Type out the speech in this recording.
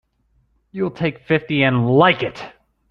You'll take fifty and like it!